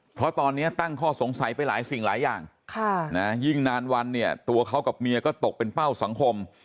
เพราะตอนนี้ตั้งข้อสงสัยไปหลายสิ่งหลายอย่างยิ่งนานวันเนี่ยตัวเขากับเมียก็ตกเป็นเป้าสังคม